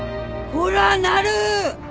・こらなる！